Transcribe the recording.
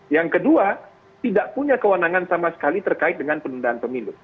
yang kedua tidak punya kewenangan sama sekali terkait dengan penundaan pemilu